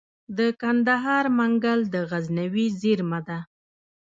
د کندهار منگل د غزنوي زیرمه ده